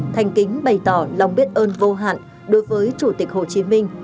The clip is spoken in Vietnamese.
thành kính bày tỏ lòng biết ơn vô hạn đối với chủ tịch hồ chí minh